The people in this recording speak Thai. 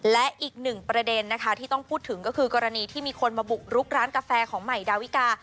และอีกหนึ่งประเด็นนะคะที่ต้องพูดถึงก็คือกรณีที่มีคนมาบุกรุกร้านกาแฟของใหม่ดาวิกา